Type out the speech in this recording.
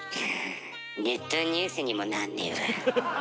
ネットニュースにもなんねえわ。